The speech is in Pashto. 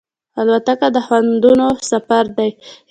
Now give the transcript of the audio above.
الوتکه د خوندونو سفر دی.